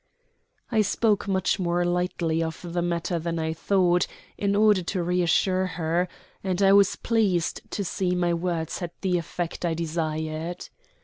I spoke much more lightly of the matter than I thought, in order to reassure her, and I was pleased to see my words had the effect I desired.